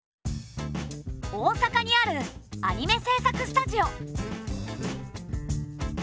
大阪にあるアニメ制作スタジオ。